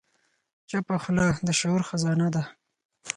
چپه خوله، د شعور خزانه ده.